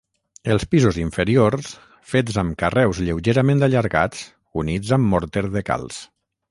Els pisos inferiors fets amb carreus lleugerament allargats units amb morter de calç.